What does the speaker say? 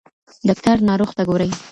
ډاکټر ناروغ ته ګوري.